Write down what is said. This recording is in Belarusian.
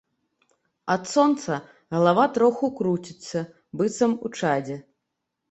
Ад сонца галава троху круціцца, быццам у чадзе.